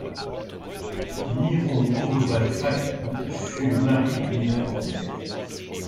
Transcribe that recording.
Myron Coureval Fagan fut le mari de Minna Gombell.